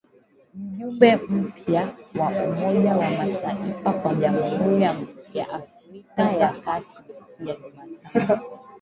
Mjumbe mpya wa Umoja wa mataifa kwa Jamhuri ya Afrika ya kati siku ya Jumatano.